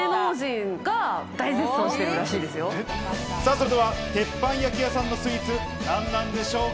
それでは鉄板焼き屋さんのスイーツ何なんでしょうか？